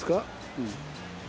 うん。